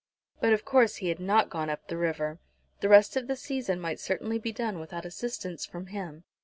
But of course he had not gone up the river! The rest of the season might certainly be done without assistance from him.